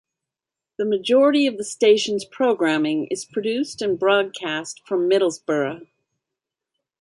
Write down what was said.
The majority of the station's programming is produced and broadcast from Middlesbrough.